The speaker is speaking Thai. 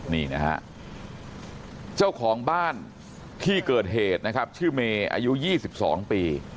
นี่นะฮะเจ้าของบ้านที่เกิดเหตุนะครับชื่อเมย์อายุ๒๒ปี